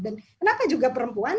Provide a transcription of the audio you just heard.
dan kenapa juga perempuan